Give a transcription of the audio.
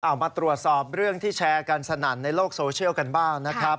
มาตรวจสอบเรื่องที่แชร์กันสนั่นในโลกโซเชียลกันบ้างนะครับ